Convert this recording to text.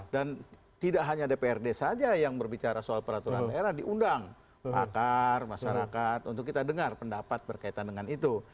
dan tidak hanya dprd saja yang berbicara soal peraturan daerah diundang pakar masyarakat untuk kita dengar pendapat berkaitan dengan itu